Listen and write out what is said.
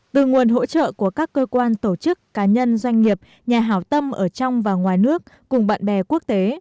từ nguồn hỗ trợ của các cơ quan tổ chức cá nhân doanh nghiệp nhà hảo tâm ở trong và ngoài nước cùng bạn bè quốc tế